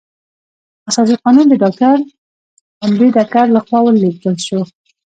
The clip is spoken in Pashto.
اساسي قانون د ډاکټر امبیډکر لخوا ولیکل شو.